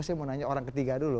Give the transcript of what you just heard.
saya mau nanya orang ketiga dulu